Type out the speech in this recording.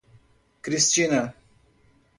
Cristina